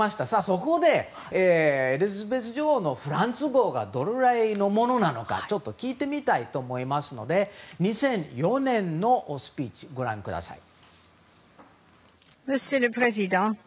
そこで、エリザベス女王のフランス語がどのぐらいのものなのか聞いてみたいと思いますので２００４年のスピーチをご覧ください。